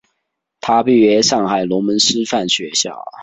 他毕业于上海龙门师范学校。